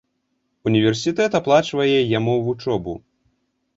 Універсітэт аплачвае яму вучобу.